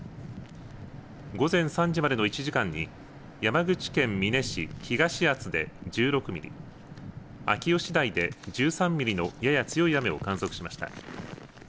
午前３時までの１時間に山口県美祢市東厚保で１６ミリ、秋吉台で１３ミリのやや強い雨を観測しました。